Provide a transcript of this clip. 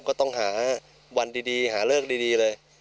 ก็ต้องหาวันดีหาเลิกดีเลย